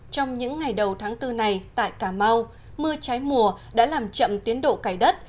trong những ngày đầu tháng bốn này tại cà mau mưa trái mùa đã làm chậm tiến độ cải đất